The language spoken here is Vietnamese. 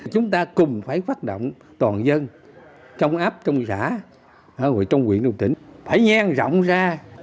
chúng ta cùng phải phát động toàn dân trong ấp trong xã trong quyền đồng tỉnh phải nhan rộng ra